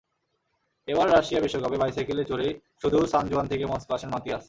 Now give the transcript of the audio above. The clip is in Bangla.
এবার রাশিয়া বিশ্বকাপে বাইসাইকেলে চড়েই সুদূর সান জুয়ান থেকে মস্কো আসেন মাতিয়াস।